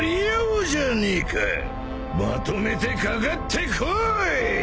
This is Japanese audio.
まとめてかかってこい！